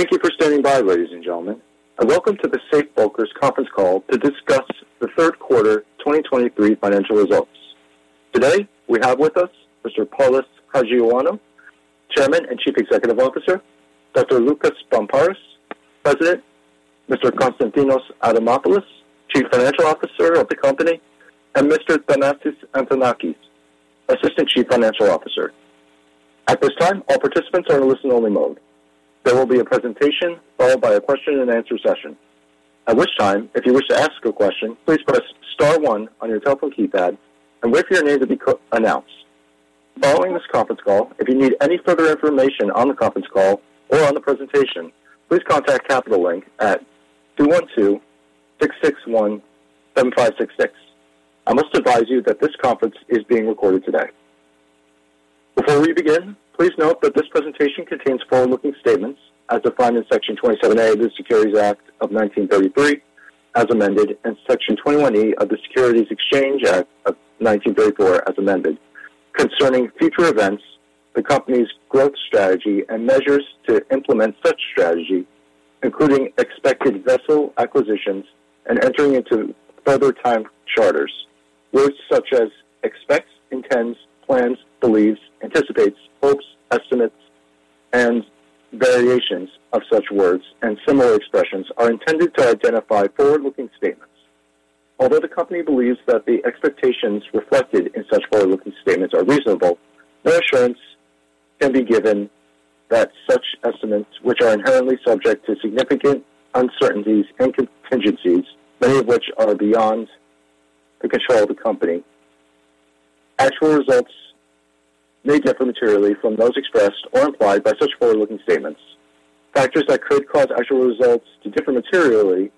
Thank you for standing by, ladies and gentlemen, and welcome to the Safe Bulkers Conference Call to discuss the third quarter 2023 financial results. Today, we have with us Mr. Polys Hajioannou, Chairman and Chief Executive Officer, Dr. Loukas Barmparis, President, Mr. Konstantinos Adamopoulos, Chief Financial Officer of the company, and Mr. Athanasios Antonakis, Assistant Chief Financial Officer. At this time, all participants are in a listen-only mode. There will be a presentation followed by a question and answer session. At which time, if you wish to ask a question, please press star one on your telephone keypad and wait for your name to be announced. Following this conference call, if you need any further information on the conference call or on the presentation, please contact Capital Link at 212-661-7566. I must advise you that this conference is being recorded today. Before we begin, please note that this presentation contains forward-looking statements as defined in Section 27A of the Securities Act of 1933, as amended, and Section 21E of the Securities Exchange Act of 1934 as amended, concerning future events, the company's growth strategy and measures to implement such strategy, including expected vessel acquisitions and entering into further time charters. Words such as expects, intends, plans, believes, anticipates, hopes, estimates, and variations of such words and similar expressions are intended to identify forward-looking statements. Although the company believes that the expectations reflected in such forward-looking statements are reasonable, no assurance can be given that such estimates, which are inherently subject to significant uncertainties and contingencies, many of which are beyond the control of the company. Actual results may differ materially from those expressed or implied by such forward-looking statements. Factors that could cause actual results to differ materially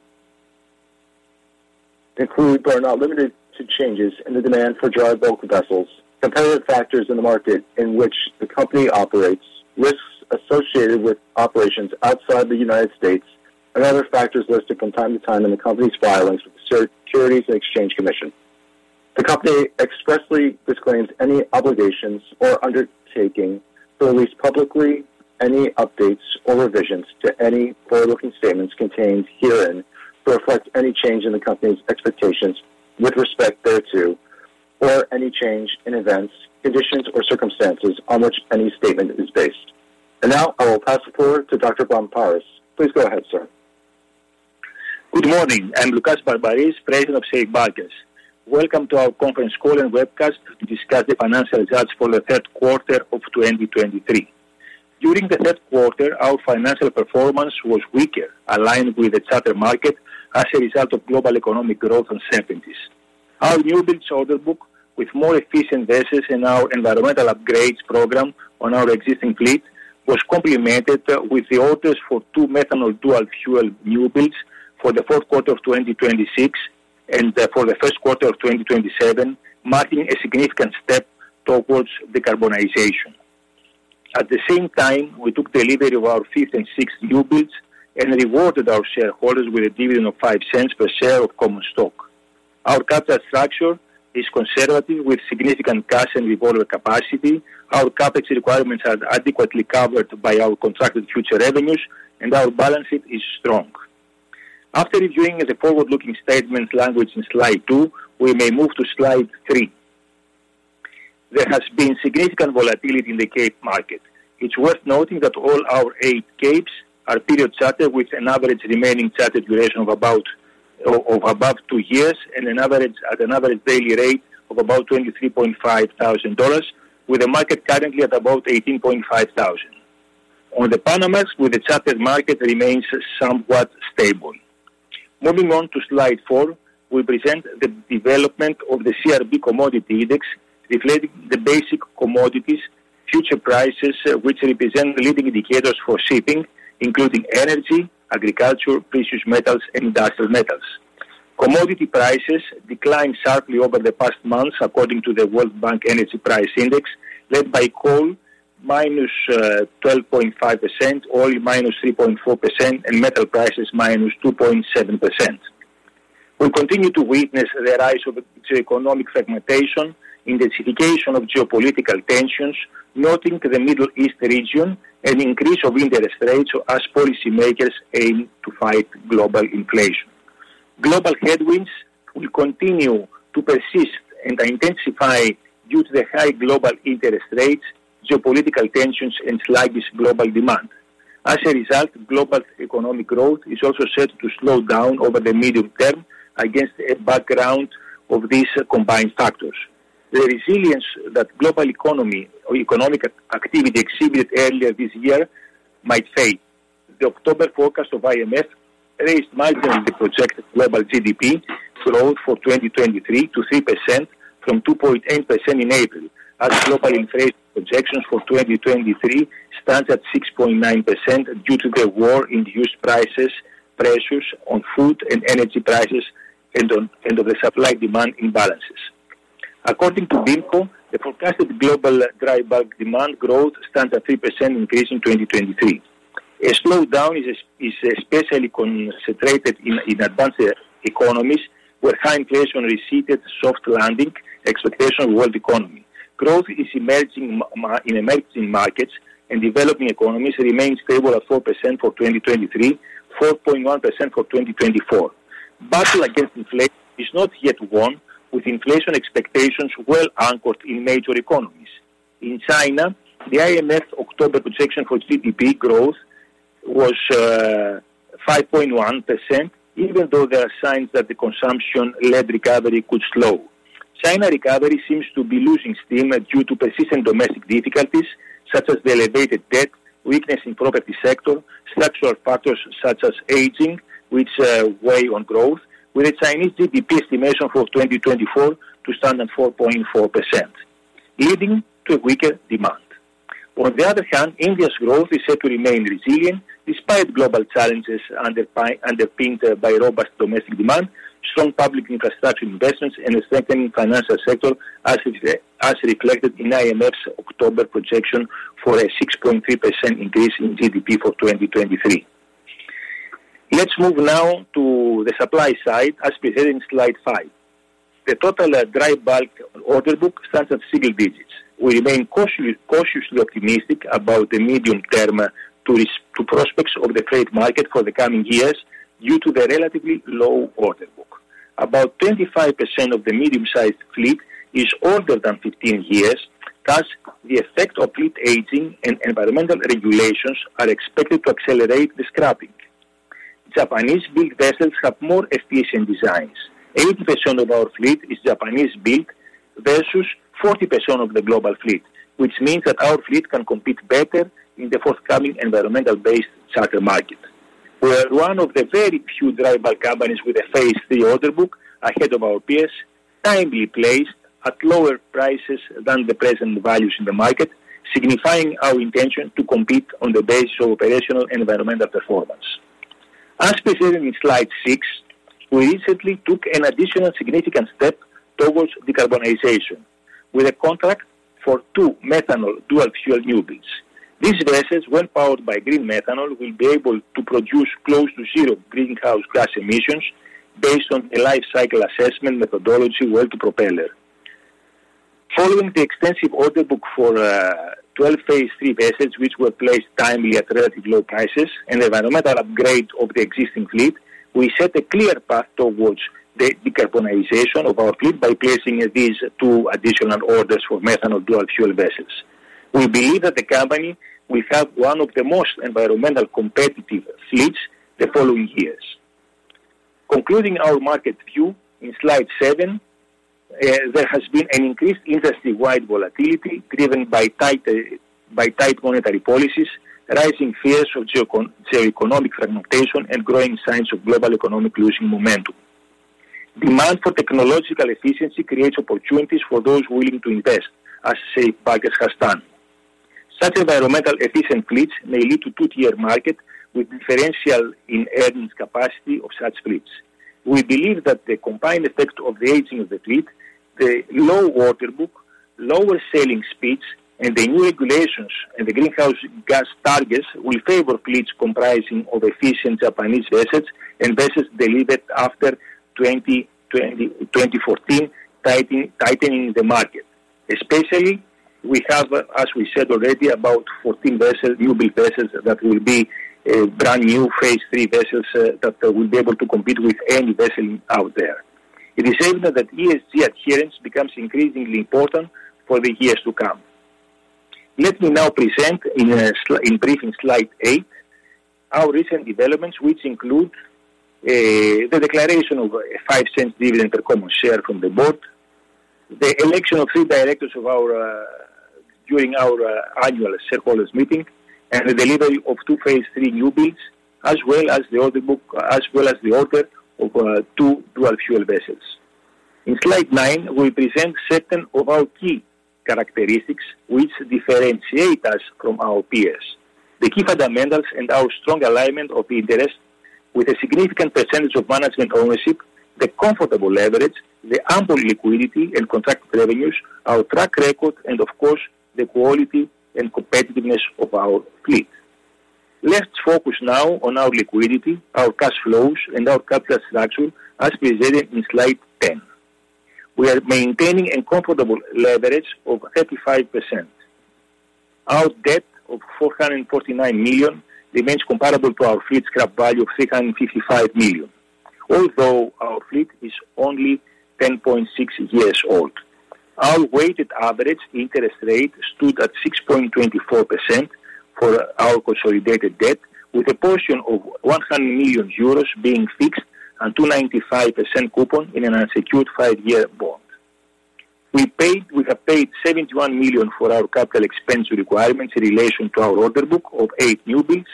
include, but are not limited to, changes in the demand for dry bulk vessels, competitive factors in the market in which the company operates, risks associated with operations outside the United States, and other factors listed from time to time in the company's filings with the Securities and Exchange Commission. The company expressly disclaims any obligations or undertaking to release publicly any updates or revisions to any forward-looking statements contained herein to reflect any change in the company's expectations with respect thereto, or any change in events, conditions, or circumstances on which any statement is based. Now, I will pass it forward to Dr. Loukas Barmparis. Please go ahead, sir. Good morning, I'm Loukas Barmparis, President of Safe Bulkers. Welcome to our conference call and webcast to discuss the financial results for the third quarter of 2023. During the third quarter, our financial performance was weaker, aligned with the charter market as a result of global economic growth uncertainties. Our newbuild order book, with more efficient vessels in our environmental upgrades program on our existing fleet, was complemented with the orders for two methanol dual-fuel newbuilds for the fourth quarter of 2026 and for the first quarter of 2027, marking a significant step towards decarbonization. At the same time, we took delivery of our fifth and sixth newbuilds and rewarded our shareholders with a dividend of $0.05 per share of common stock. Our capital structure is conservative, with significant cash and revolver capacity. Our CapEx requirements are adequately covered by our contracted future revenues, and our balance sheet is strong. After reviewing the forward-looking statement language in slide two, we may move to slide three. There has been significant volatility in the Cape market. It's worth noting that all our 8 Capes are period chartered, with an average remaining charter duration of about above two years and an average, at an average daily rate of about $23,500, with the market currently at about $18,500. On the Panamax, with the chartered market remains somewhat stable. Moving on to slide four, we present the development of the CRB Commodity Index, reflecting the basic commodities future prices, which represent leading indicators for shipping, including energy, agriculture, precious metals, and industrial metals. Commodity prices declined sharply over the past months, according to the World Bank Energy Price Index, led by coal minus 12.5%, oil minus 3.4%, and metal prices minus 2.7%. We continue to witness the rise of the economic fragmentation, intensification of geopolitical tensions, noting the Middle East region, an increase of interest rates as policymakers aim to fight global inflation. Global headwinds will continue to persist and intensify due to the high global interest rates, geopolitical tensions, and sluggish global demand. As a result, global economic growth is also set to slow down over the medium term against a background of these combined factors. The resilience that global economy or economic activity exhibited earlier this year might fade. The October forecast of IMF raised marginally in the projected global GDP growth for 2023 to 3% from 2.8% in April, as global inflation projections for 2023 stands at 6.9% due to the war-induced prices, pressures on food and energy prices, and on and off the supply-demand imbalances. According to BIMCO, the forecasted global dry bulk demand growth stands at 3% increase in 2023. A slowdown is especially concentrated in advanced economies, where high inflation receded soft landing expectation of world economy. Growth in emerging markets and developing economies remains stable at 4% for 2023, 4.1% for 2024. Battle against inflation is not yet won, with inflation expectations well anchored in major economies. In China, the IMF October projection for GDP growth was 5.1%, even though there are signs that the consumption-led recovery could slow. China recovery seems to be losing steam due to persistent domestic difficulties, such as the elevated debt, weakness in property sector, structural factors such as aging, which weigh on growth, with the Chinese GDP estimation for 2024 to stand at 4.4%, leading to a weaker demand. On the other hand, India's growth is set to remain resilient despite global challenges underpinned by robust domestic demand, strong public infrastructure investments and a strengthening financial sector, as it, as reflected in IMF's October projection for a 6.3% increase in GDP for 2023. Let's move now to the supply side, as presented in slide 5. The total dry bulk order book stands at single digits. We remain cautiously, cautiously optimistic about the medium term to its prospects of the trade market for the coming years due to the relatively low order book. About 25% of the medium-sized fleet is older than 15 years, thus, the effect of fleet aging and environmental regulations are expected to accelerate the scrapping. Japanese-built vessels have more efficient designs. 80% of our fleet is Japanese-built versus 40% of the global fleet, which means that our fleet can compete better in the forthcoming environmental-based charter market. We are one of the very few dry bulk companies with a phase III order book ahead of our peers, timely placed at lower prices than the present values in the market, signifying our intention to compete on the basis of operational and environmental performance. As presented in Slide 6, we recently took an additional significant step towards decarbonization, with a contract for two methanol dual-fuel newbuilds. These vessels, when powered by green methanol, will be able to produce close to zero greenhouse gas emissions based on a life cycle assessment methodology well-to-propeller. Following the extensive order book for 12 phase III vessels, which were placed timely at relatively low prices and environmental upgrade of the existing fleet, we set a clear path towards the decarbonization of our fleet by placing these two additional orders for methanol dual-fuel vessels. We believe that the company will have one of the most environmentally competitive fleets the following years. Concluding our market view in slide 7, there has been an increased industry-wide volatility, driven by tight monetary policies, rising fears of geoeconomic fragmentation, and growing signs of global economy losing momentum. Demand for technological efficiency creates opportunities for those willing to invest, as Safe Bulkers has done. Such environmental efficient fleets may lead to two-tier market with differential in earnings capacity of such fleets. We believe that the combined effect of the aging of the fleet, the low order book, lower sailing speeds, and the new regulations and the greenhouse gas targets will favor fleets comprising of efficient Japanese vessels and vessels delivered after 2020, 2014, tightening the market. Especially, we have, as we said already, about 14 vessels, newbuild vessels, that will be, brand new phase III vessels, that will be able to compete with any vessel out there. It is certain that ESG adherence becomes increasingly important for the years to come. Let me now present, in brief, in slide 8, our recent developments, which include the declaration of a $0.05 dividend per common share from the board, the election of three directors of our during our annual shareholders meeting, and the delivery of two phase III newbuilds, as well as the order book, as well as the order of two dual-fuel vessels. In slide 9, we present certain of our key characteristics which differentiate us from our peers. The key fundamentals and our strong alignment of interest with a significant percentage of management ownership, the comfortable leverage, the ample liquidity and contracted revenues, our track record, and of course, the quality and competitiveness of our fleet. Let's focus now on our liquidity, our cash flows, and our capital structure, as presented in slide 10. We are maintaining a comfortable leverage of 35%. Our debt of $449 million remains comparable to our fleet scrap value of $355 million, although our fleet is only 10.6 years old. Our weighted average interest rate stood at 6.24% for our consolidated debt, with a portion of 100 million euros being fixed and 2.95% coupon in an unsecured five year bond. We have paid $71 million for our capital expense requirements in relation to our order book of eight newbuilds,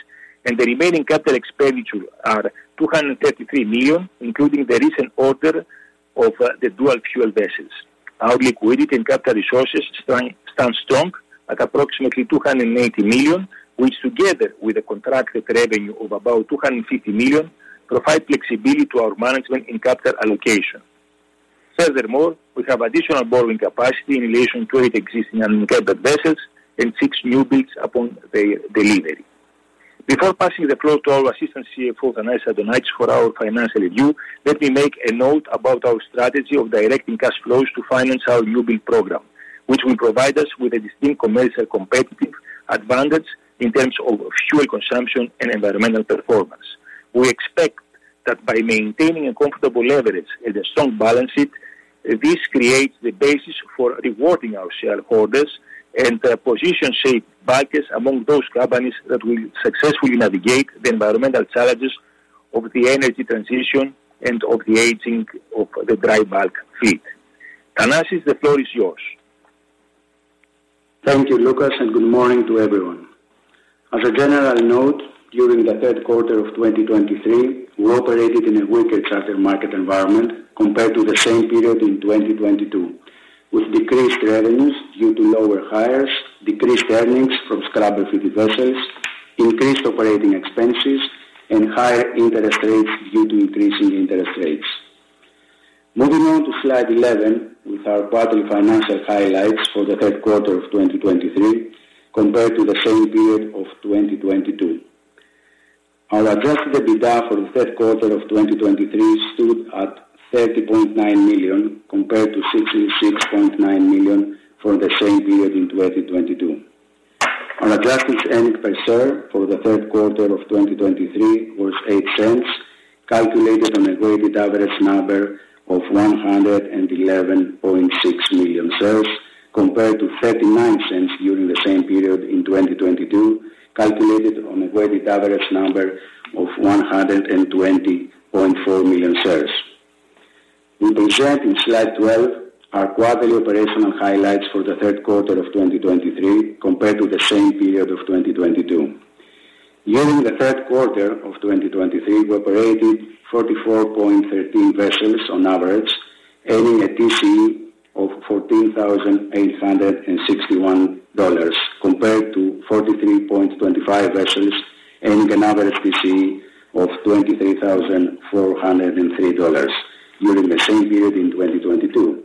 and the remaining capital expenditure are $233 million, including the recent order of the dual-fuel vessels. Our liquidity and capital resources stand strong at approximately $280 million, which, together with the contracted revenue of about $250 million, provide flexibility to our management in capital allocation. Furthermore, we have additional borrowing capacity in relation to eight existing unencumbered vessels and six newbuilds upon their delivery. Before passing the floor to our Assistant CFO, Athanasios Antonakis, for our financial review, let me make a note about our strategy of directing cash flows to finance our new build program, which will provide us with a distinct commercial competitive advantage in terms of fuel consumption and environmental performance. We expect that by maintaining a comfortable leverage and a strong balance sheet, this creates the basis for rewarding our shareholders and position Safe Bulkers among those companies that will successfully navigate the environmental challenges of the energy transition and of the aging of the dry bulk fleet. Thanasis, the floor is yours. Thank you, Loukas, and good morning to everyone. As a general note, during the third quarter of 2023, we operated in a weaker charter market environment compared to the same period in 2022, with decreased revenues due to lower hires, decreased earnings from scrubber vessels, increased operating expenses, and higher interest rates due to increasing interest rates. Moving on to slide 11, with our quarterly financial highlights for the third quarter of 2023 compared to the same period of 2022. Our Adjusted EBITDA for the third quarter of 2023 stood at $30.9 million, compared to $66.9 million from the same period in 2022. Our adjusted earnings per share for the third quarter of 2023 was $0.08, calculated on a weighted average number of 111.6 million shares, compared to $0.39 during the same period in 2022, calculated on a weighted average number of 120.4 million shares. We present in slide 12 our quarterly operational highlights for the third quarter of 2023 compared to the same period of 2022. During the third quarter of 2023, we operated 44.13 vessels on average, earning a TCE of $14,861, compared to 43.25 vessels, earning an average TCE of $23,403 during the same period in 2022.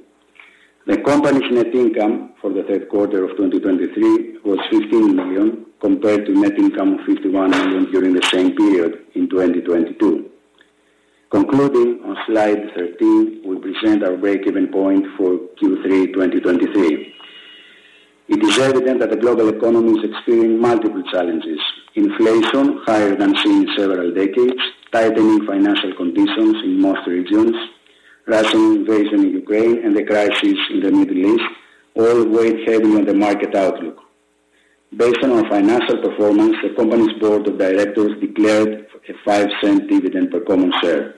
The company's net income for the third quarter of 2023 was $15 million, compared to net income of $51 million during the same period in 2022. Concluding on slide 13, we present our breakeven point for Q3 2023. It is evident that the global economy is experiencing multiple challenges: inflation higher than seen in several decades, tightening financial conditions in most regions, Russian invasion in Ukraine and the crisis in the Middle East all weigh heavy on the market outlook. Based on our financial performance, the company's board of directors declared a $0.05 dividend per common share.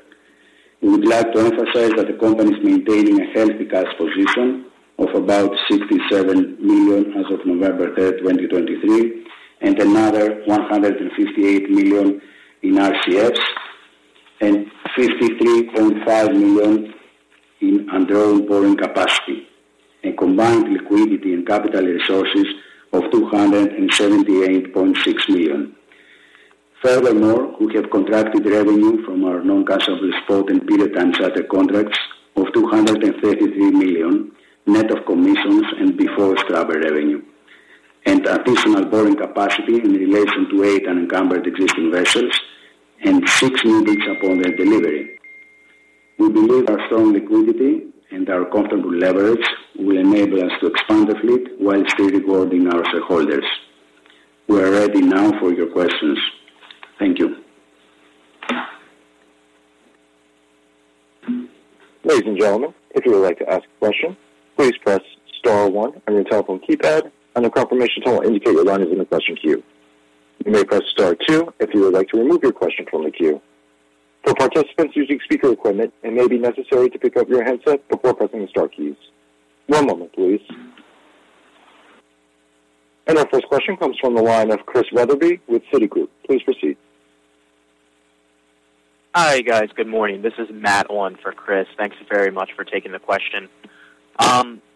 We would like to emphasize that the company is maintaining a healthy cash position of about $67 million as of 3 November 2023, and another $158 million in RCFs, and $53.5 million in undrawn borrowing capacity, a combined liquidity and capital resources of $278.6 million. Furthermore, we have contracted revenue from our non-cash operating period and charter contracts of $233 million, net of commissions and before scrubber revenue, and additional borrowing capacity in relation to eight unencumbered existing vessels and six new builds upon their delivery. We believe our strong liquidity and our comfortable leverage will enable us to expand the fleet while still rewarding our shareholders. We are ready now for your questions. Thank you. Ladies and gentlemen, if you would like to ask a question, please press star one on your telephone keypad and a confirmation tone will indicate your line is in the question queue. You may press star two if you would like to remove your question from the queue. For participants using speaker equipment, it may be necessary to pick up your handset before pressing the star keys. One moment, please. Our first question comes from the line of Christian Wetherbee with Citigroup. Please proceed. Hi, guys. Good morning. This is Matt on for Chris. Thanks very much for taking the question.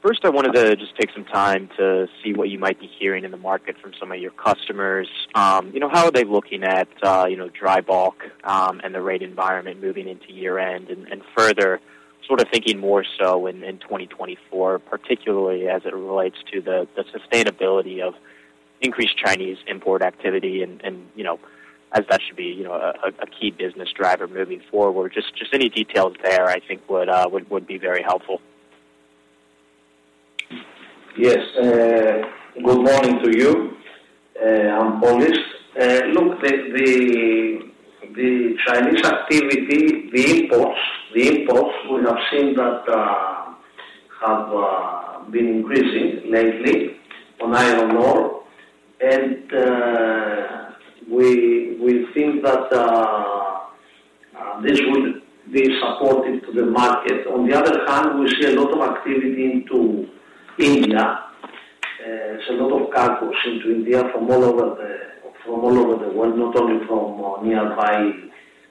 First, I wanted to just take some time to see what you might be hearing in the market from some of your customers. You know, how are they looking at, you know, dry bulk, and the rate environment moving into year-end? And, further, sort of thinking more so in, in 2024, particularly as it relates to the, the sustainability of increased Chinese import activity and, you know, as that should be, you know, a, a key business driver moving forward. Just, any details there I think would, would be very helpful. Yes, good morning to you. I'm Polys. Look, the Chinese activity, the imports, we have seen that have been increasing lately on iron ore, and we think that this will be supportive to the market. On the other hand, we see a lot of activity into India. There's a lot of cargos into India from all over the, from all over the world, not only from nearby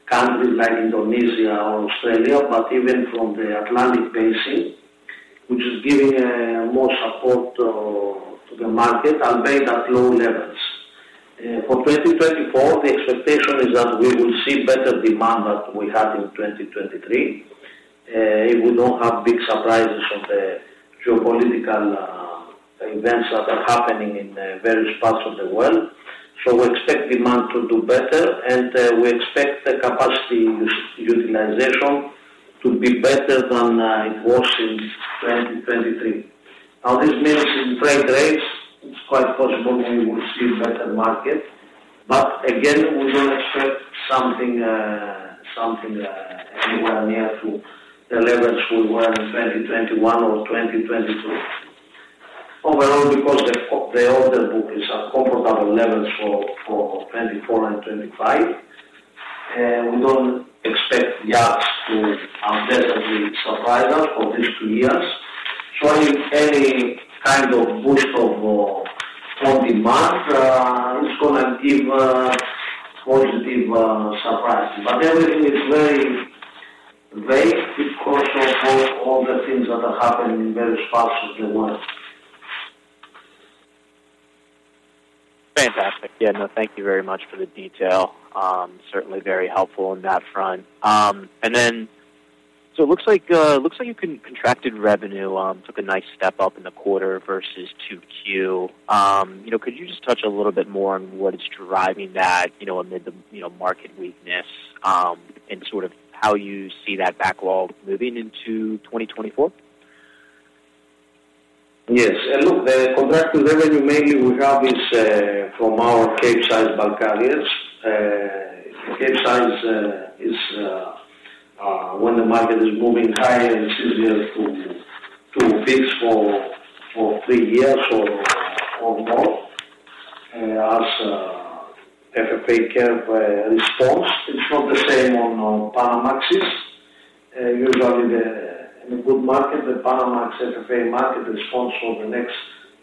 countries like Indonesia or Australia, but even from the Atlantic Basin, which is giving more support to the market and made at low levels. For 2024, the expectation is that we will see better demand than we had in 2023, if we don't have big surprises on the geopolitical front, events that are happening in various parts of the world. So we expect demand to do better, and we expect the capacity utilization to be better than it was in 2023. Now, this means in freight rates, it's quite possible we will see a better market. But again, we don't expect something, something, anywhere near to the levels we were in 2021 or 2022. Overall, because the order book is at comfortable levels for 2024 and 2025, we don't expect the yards to unexpectedly supply us for these two years. So any kind of boost on demand is gonna give positive surprise. But everything is very vague because of all the things that are happening in various parts of the world. Fantastic. Yeah, no, thank you very much for the detail. Certainly very helpful on that front. And then, so it looks like you contracted revenue took a nice step up in the quarter versus 2Q. You know, could you just touch a little bit more on what is driving that, you know, amid the market weakness, and sort of how you see that backlog moving into 2024? Yes. And look, the contracted revenue mainly we have is from our Capesize bulk carriers. Capesize is when the market is moving higher, it's easier to fix for three years or more, as FFA curve responds. It's not the same on Panamax's. Usually, in a good market, the Panamax FFA market responds for the next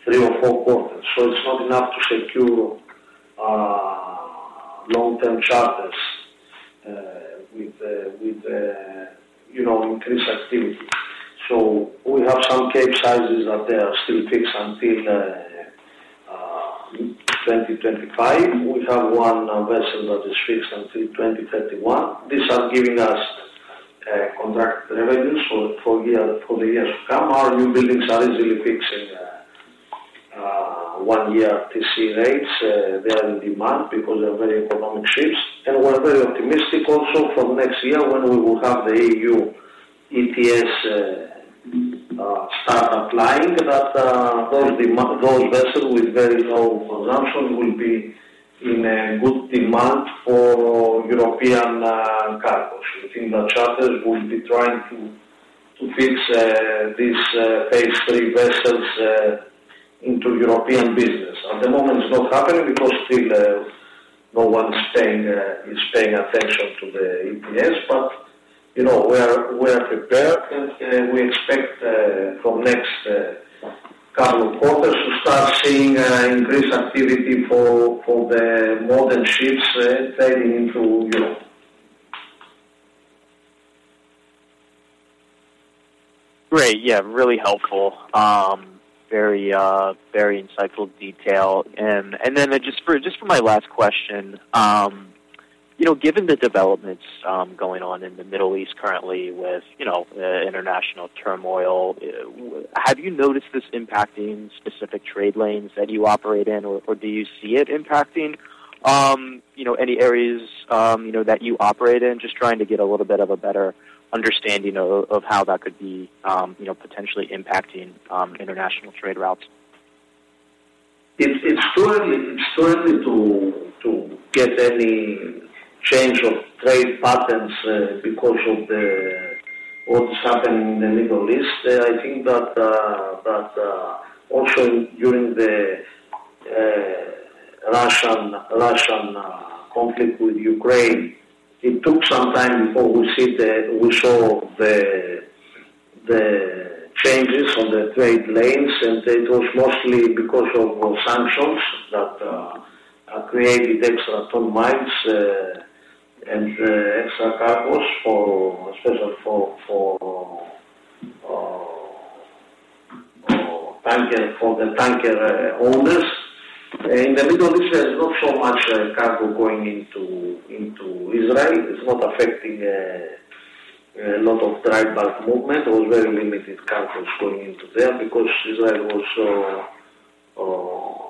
three or four quarters, so it's not enough to secure long-term charters with you know, increased activity. So we have some Capesizes that they are still fixed until 2025. We have one vessel that is fixed until 2031. These are giving us contract revenues for year, for the years to come. Our new buildings are easily fixed in one year TC rates. They are in demand because they are very economic ships, and we're very optimistic also for next year, when we will have the EU ETS start applying, that those vessels with very low consumption will be in a good demand for European cargos. We think that charters will be trying to fix these phase III vessels into European business. At the moment, it's not happening because still no one is paying attention to the ETS, but, you know, we are prepared, and we expect from next couple of quarters to start seeing increased activity for the modern ships sailing into Europe. Great, yeah, really helpful. Very, very insightful detail. And then just for my last question, you know, given the developments going on in the Middle East currently with, you know, international turmoil, have you noticed this impacting specific trade lanes that you operate in, or do you see it impacting, you know, any areas, you know, that you operate in? Just trying to get a little bit of a better understanding of how that could be, you know, potentially impacting international trade routes. It's too early to get any change of trade patterns because of what is happening in the Middle East. I think that also during the Russian conflict with Ukraine, it took some time before we saw the changes on the trade lanes, and it was mostly because of sanctions that are created extra ton miles and extra cargos for, especially for the tanker owners. In the Middle East, there's not so much cargo going into Israel. It's not affecting a lot of dry bulk movement. It was very limited cargos going into there because Israel was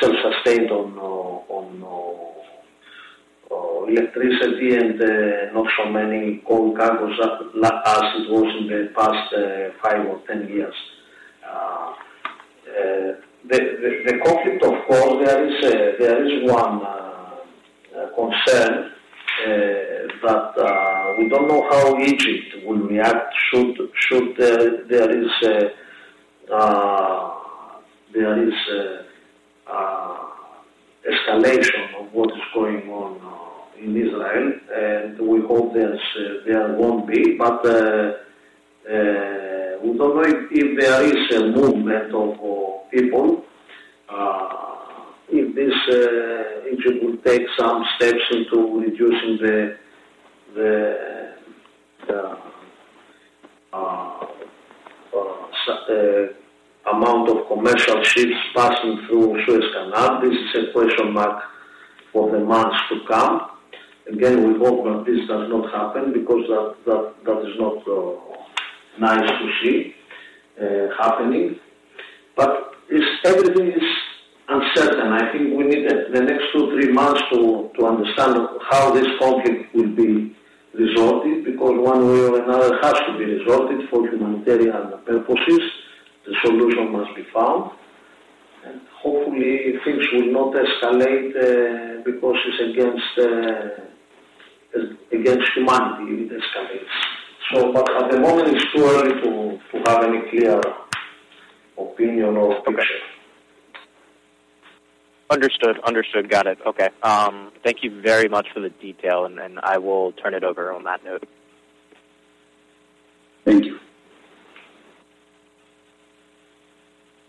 self-sustained on electricity and not so many coal cargos as it was in the past five or 10 years. The conflict, of course, there is one concern that we don't know how Egypt will react should there be an escalation of what is going on in Israel, and we hope there won't be. But we don't know if there is a movement of people if Egypt will take some steps into reducing the amount of commercial ships passing through Suez Canal. This is a question mark. For the months to come. Again, we hope that this does not happen because that is not nice to see happening. But everything is uncertain. I think we need the next two, three months to understand how this conflict will be resolved because one way or another, it has to be resolved for humanitarian purposes, a solution must be found. And hopefully things will not escalate because it's against humanity if it escalates. But at the moment, it's too early to have any clear opinion or picture. Understood. Understood. Got it. Okay. Thank you very much for the detail, and, and I will turn it over on that note.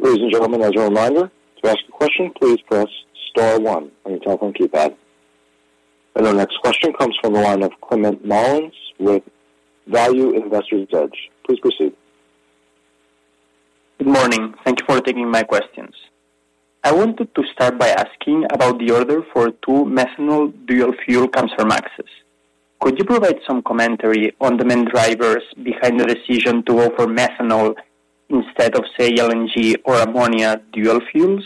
Thank you. Ladies and gentlemen, as a reminder, to ask a question, please press star one on your telephone keypad. Our next question comes from the line of Climent Molins with Value Investor's Edge. Please proceed. Good morning. Thank you for taking my questions. I wanted to start by asking about the order for two methanol dual-fuel Kamsarmaxes. Could you provide some commentary on the main drivers behind the decision to offer methanol instead of, say, LNG or ammonia dual fuels?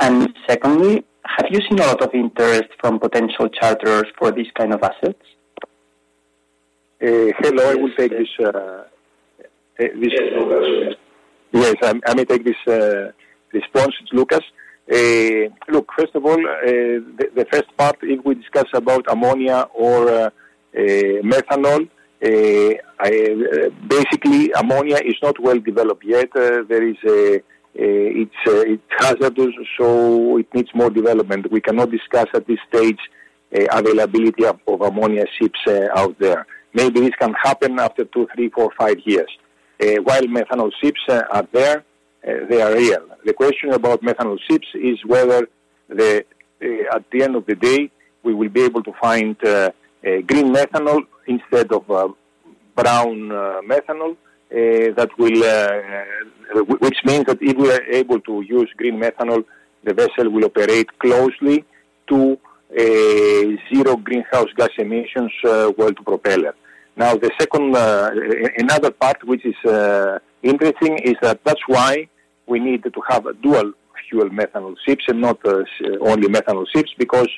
And secondly, have you seen a lot of interest from potential charterers for these kind of assets? Hello, I will take this. Yes. Yes, I may take this response. It's Loukas. Look, first of all, the first part, if we discuss about ammonia or methanol, basically, ammonia is not well developed yet. There is a, it's, it has those, so it needs more development. We cannot discuss at this stage, availability of ammonia ships out there. Maybe this can happen after two, three, four, five years. While methanol ships are there, they are real. The question about methanol ships is whether the, at the end of the day, we will be able to find a green methanol instead of brown methanol, that will... Which means that if we are able to use green methanol, the vessel will operate closely to a zero greenhouse gas emissions well-to-propeller. Now, the second, another part, which is, interesting, is that that's why we need to have dual-fuel methanol ships and not, only methanol ships. Because,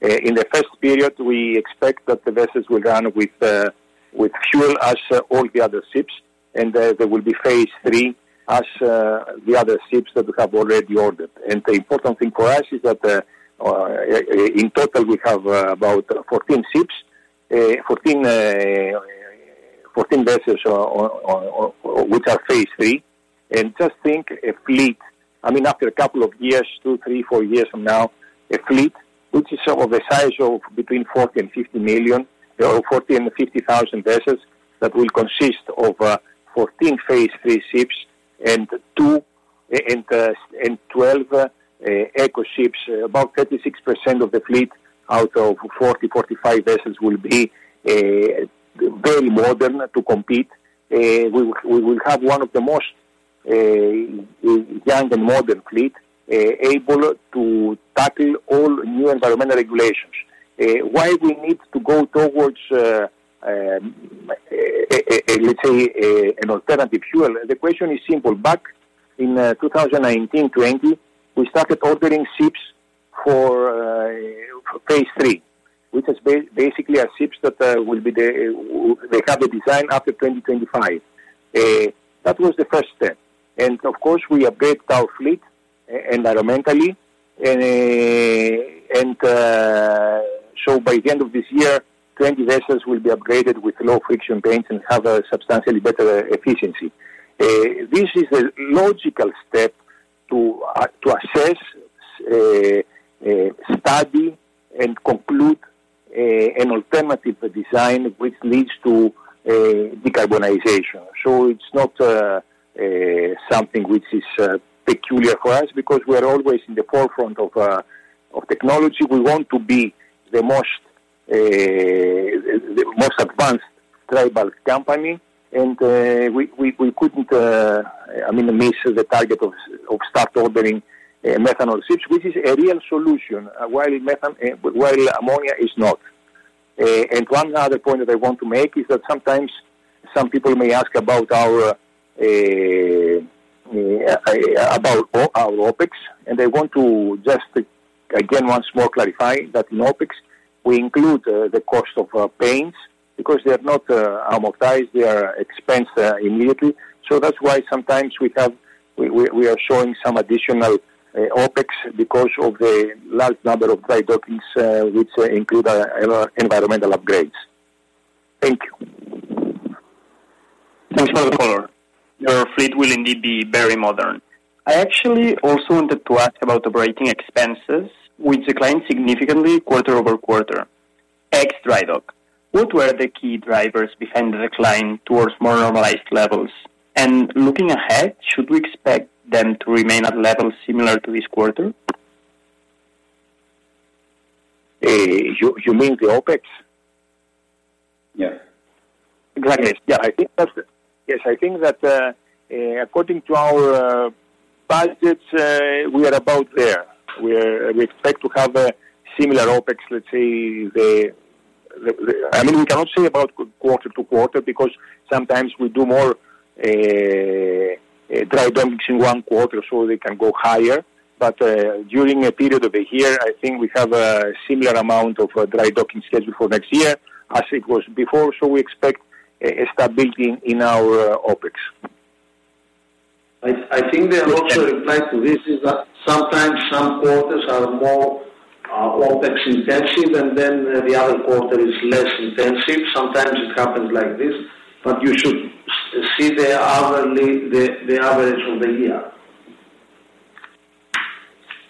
in the first period, we expect that the vessels will run with fuel as all the other ships, and, they will be phase III as, the other ships that we have already ordered. And the important thing for us is that, in total, we have, about 14 vessels on which are phase III. Just think a fleet, I mean, after a couple of years, two, three, four years from now, a fleet which is of a size of between 40 million-50 million, or 40,000-50,000 vessels, that will consist of 14 phase III ships and two and 12 eco ships. About 36% of the fleet out of 40-45 vessels will be very modern to compete. We will have one of the most young and modern fleet able to tackle all new environmental regulations. Why we need to go towards, let's say, an alternative fuel? The question is simple. Back in 2019, 2020, we started ordering ships for phase III, which is basically [ships] that will be the, they have a design after 2025. That was the first step. Of course, we updated our fleet environmentally and so by the end of this year, 20 vessels will be upgraded with low-friction paints and have a substantially better efficiency. This is a logical step to assess, study and conclude an alternative design which leads to decarbonization. So it's not something which is peculiar for us because we are always in the forefront of technology. We want to be the most advanced reliable company, and we couldn't, I mean, miss the target of start ordering methanol ships, which is a real solution, while methanol while ammonia is not. One other point that I want to make is that sometimes some people may ask about our OpEx, and I want to just again once more clarify that in OpEx we include the cost of paints because they are not amortized, they are expensed immediately. So that's why sometimes we are showing some additional OpEx because of the large number of dry dockings, which include environmental upgrades. Thank you. Thanks for the call. Your fleet will indeed be very modern. I actually also wanted to ask about operating expenses, which declined significantly quarter-over-quarter. Ex dry dock, what were the key drivers behind the decline towards more normalized levels? And looking ahead, should we expect them to remain at levels similar to this quarter? You mean the OpEx? Yeah. Got it. Yeah, I think that's... Yes, I think that, according to our budgets, we are about there. We expect to have a similar OpEx, let's say, the... I mean, we cannot say about quarter to quarter because sometimes we do more dry dockings in one quarter, so they can go higher. But, during a period of a year, I think we have a similar amount of dry docking scheduled for next year as it was before. So we expect a stability in our OpEx. I think that also reply to this is that sometimes some quarters are more OpEx-intensive, and then the other quarter is less intensive. Sometimes it happens like this, but you should see the hourly, the average of the year.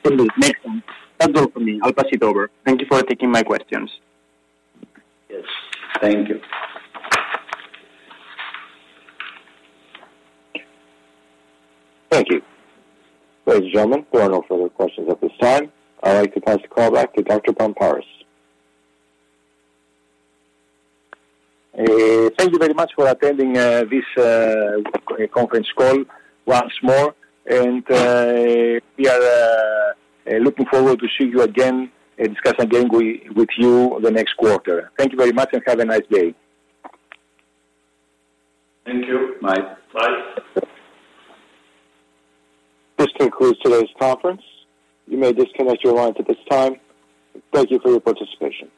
Thank you. That's all for me. I'll pass it over. Thank you for taking my questions. Yes, thank you. Thank you. Ladies and gentlemen, there are no further questions at this time. I'd like to pass the call back to Dr. Barmparis. Thank you very much for attending this conference call once more. We are looking forward to see you again and discuss again with you the next quarter. Thank you very much, and have a nice day. Thank you. Bye. Bye. This concludes today's conference. You may disconnect your line at this time. Thank you for your participation.